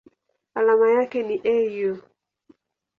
Alama yake ni Au.